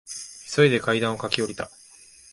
急いで階段を駆け下りた。